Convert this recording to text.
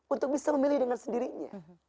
untuk bisa memilih dengan sendirinya